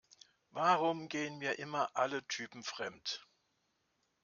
Warum gehen mir immer alle Typen fremd?